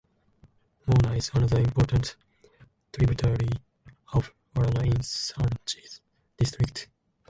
Morna is another important tributary of Warana in Sangli district.